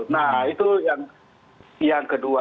nah itu yang kedua